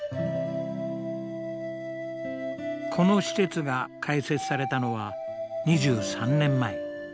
この施設が開設されたのは２３年前。